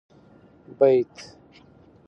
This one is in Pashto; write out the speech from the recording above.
بيت